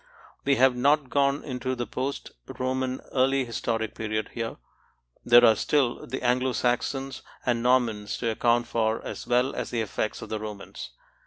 We have not gone into the post Roman early historic period here; there are still the Anglo Saxons and Normans to account for as well as the effects of the Romans.